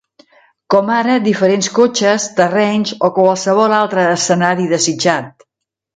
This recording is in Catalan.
Com ara diferents cotxes, terrenys o qualsevol altre escenari desitjat.